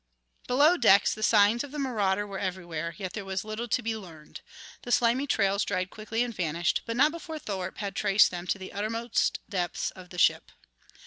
Below decks the signs of the marauder were everywhere, yet there was little to be learned. The slimy trails dried quickly and vanished, but not before Thorpe had traced them to the uttermost depths of the ship.